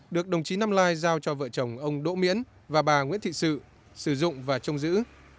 được đồng chí năm lai giao cho vợ chồng ông đỗ miễn và bà nguyễn thị sự sử dụng và trông giữ